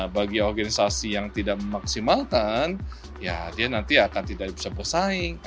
bagi organisasi yang tidak memaksimalkan ya dia nanti akan tidak bisa bersaing